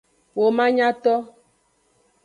Womanyato.